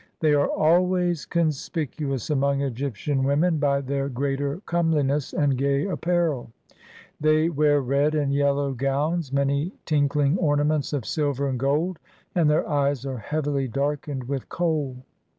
They are always conspicu ous among Egyptian women by their greater comeliness and gay apparel. They wear red and yellow gowns, many tinkling ornaments of silver and gold, and their eyes are heavily darkened with kohl.